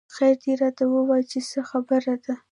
خېر دۍ راته وويه چې څه خبره ده